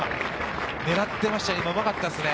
狙ってましたね。